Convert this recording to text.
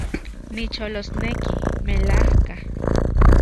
Nicholosneki, melajka